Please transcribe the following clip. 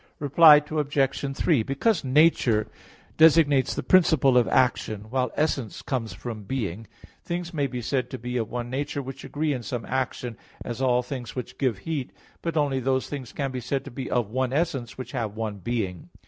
Reply Obj. 3: Because "nature" designates the principle of action while "essence" comes from being [essendo], things may be said to be of one nature which agree in some action, as all things which give heat; but only those things can be said to be of "one essence" which have one being.